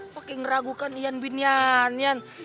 pakai ngeragukan ian bin yanyan